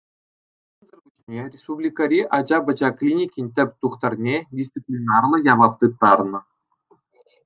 Кунсӑр пуҫне Республикари ача-пӑча клиникин тӗп тухтӑрне дисциплинарлӑ явап тыттарнӑ.